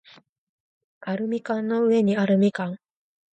アルミ缶の上にあるみかん